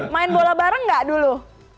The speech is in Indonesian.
main bola bareng gak dulu